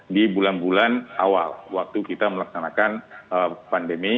di bulan bulan awal waktu kita melaksanakan pandemi